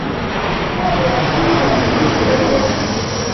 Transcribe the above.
abawatii ale me muren yoto.